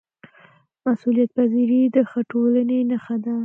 مسؤلیتپذیري د ښه ټولنې نښه ده